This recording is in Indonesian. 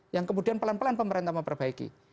yang kemudian pelan pelan pemerintah memperbaiki